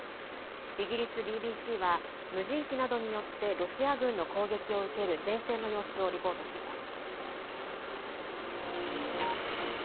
イギリスＢＢＣは無人機などによってロシア軍の攻撃を受ける前線の様子をリポートしています。